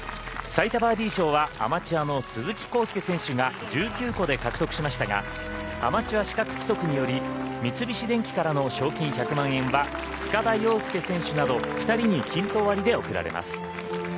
最多バーディー賞はアマチュアの鈴木晃祐選手が１９個で獲得しましたがアマチュア資格規則により三菱電機からの賞金１００万円は塚田陽亮選手など２人に均等割りで贈られます。